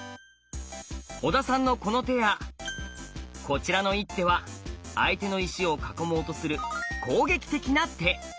小田さんのこの手やこちらの一手は相手の石を囲もうとする攻撃的な手。